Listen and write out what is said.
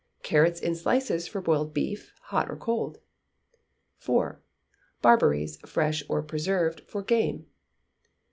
Carrot in slices for boiled beef, hot or cold. iv. Barberries, fresh or preserved, for game.